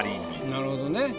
なるほどね。